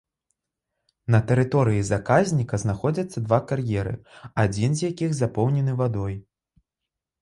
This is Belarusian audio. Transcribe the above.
На тэрыторыі заказніка знаходзяцца два кар'еры, адзін з якіх запоўнены вадой.